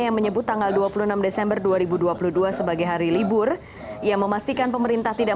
yang menyebut tanggal dua puluh enam desember dua ribu dua puluh dua sebagai hari libur ia memastikan pemerintah tidak